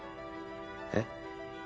えっ？